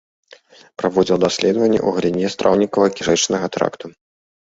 Праводзіў даследаванні ў галіне страўнікава-кішачнага тракту.